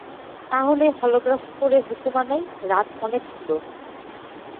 তা হলে টেলিগ্রাফ করে হুকুম আনাই– রাত অনেক হল।